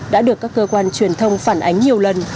đã được các cơ quan truyền thông phản ánh nhiều lần